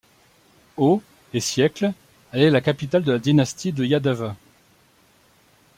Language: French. Aux et siècles, elle est la capitale de la dynastie de Yadava.